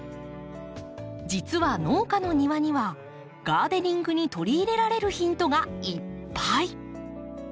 実は農家の庭にはガーデニングに取り入れられるヒントがいっぱい！